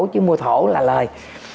chứ mua thổ là lời